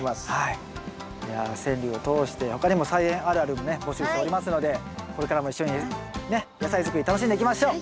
いや川柳を通して他にも「菜園あるある」もね募集しておりますのでこれからも一緒にね野菜作り楽しんでいきましょう！